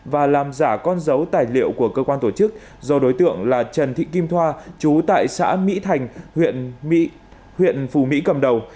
và làm giả con dấu tài liệu của cơ quan tổ chức do đối tượng là trần thị kim thoa chú tại xã mỹ thành huyện phù mỹ cầm đầu